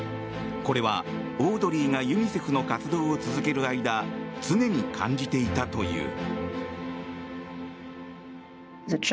これはオードリーがユニセフの活動を続ける間常に感じていたという。